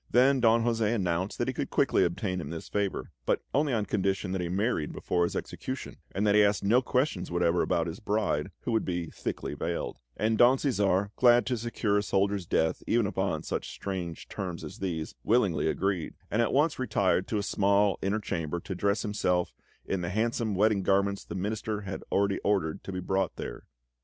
Then Don José announced that he could quickly obtain him this favour, but only on condition that he married before his execution, and that he asked no questions whatever about his bride, who would be thickly veiled; and Don Cæsar, glad to secure a soldier's death even upon such strange terms as these, willingly agreed, and at once retired to a small inner chamber to dress himself in the handsome wedding garments the Minister had already ordered to be brought there.